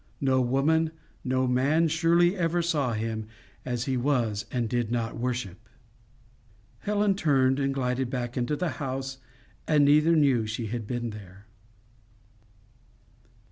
No woman, no man surely ever saw him as he was and did not worship!" Helen turned and glided back into the house, and neither knew she had been there.